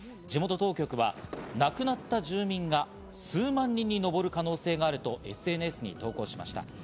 地元当局は亡くなった住民が数万人にのぼる可能性があるとＳＮＳに投稿しました。